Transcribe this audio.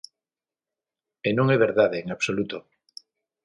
E non é verdade, en absoluto.